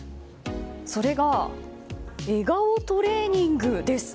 それが、笑顔トレーニングです。